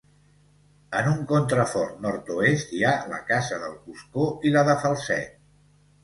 En un contrafort nord-oest hi ha la Casa del Coscó i la de Falset.